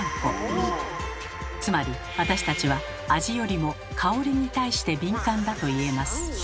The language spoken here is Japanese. つまり私たちは味よりも香りに対して敏感だといえます。